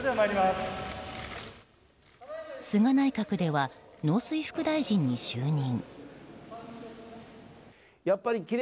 菅内閣では農水副大臣に就任。